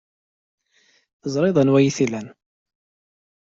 Teẓriḍ anwa ay t-ilan.